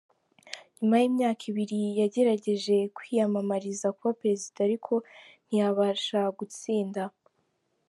Nyuma y’imyaka ibiri yagerageje kwiyamamariza kuba Perezida ariko ntiyabasha gutsinda.